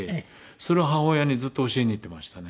それを母親にずっと教えに行ってましたね。